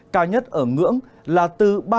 cao nhất ở ngưỡng là từ ba mươi một đến ba mươi bốn độ